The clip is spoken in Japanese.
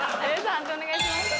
判定お願いします。